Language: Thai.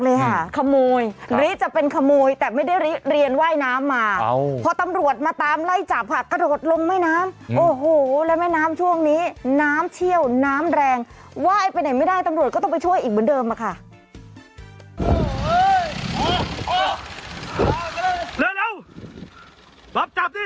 โอโหโห๊เงาตลอดลงน้ำโจรแล้วท่าทางแบบ